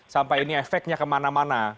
sampai ini efeknya kemana mana